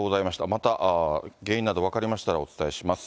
また原因など分かりましたらお伝えします。